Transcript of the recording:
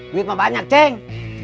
duit mah banyak ceng